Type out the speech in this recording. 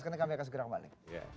supaya iklan dulu